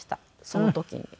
その時に。